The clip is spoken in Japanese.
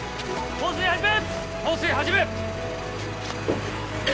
放水始め！